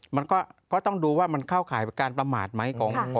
มันก็ต้องดูว่ามันเข้าข่ายการประมาทไหม